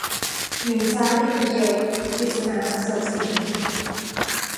หนึ่งฟ้าดินเดียว - กฤษณา อโศกสิน